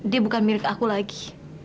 dia bukan milik aku lagi